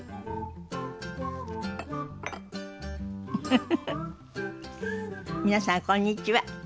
フフフフ皆さんこんにちは。